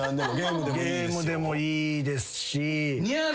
ゲームでもいいですし。